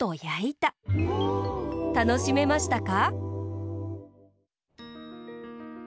たのしめましたか？